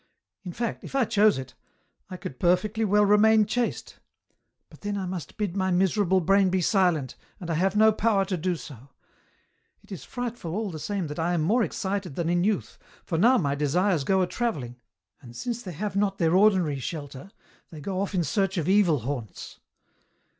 In fact, if I chose it, I could per fectly well remain chaste ; but then I must bid my miserable brain be silent, and I have no power to do so ! It is frightful all the same that I am more excited than in youth, for now my desires go a travelling, and since they have not their ordinary shelter they go off in search of evil haunts.